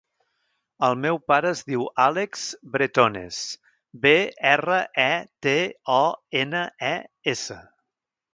El meu pare es diu Àlex Bretones: be, erra, e, te, o, ena, e, essa.